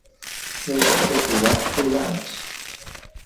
হেই, এটা কি Oak Tree lounge?